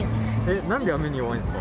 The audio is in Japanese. なんで雨に弱いんですか？